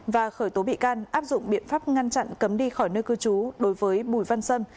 và khởi tố bị can áp dụng biện pháp ngăn chặn cấm đi khỏi nơi cư trú đối với bùi văn sơn